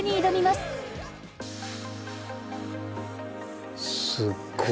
すっごい。